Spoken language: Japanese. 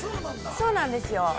そうなんですよ。